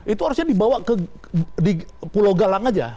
itu harusnya dibawa ke pulau galang saja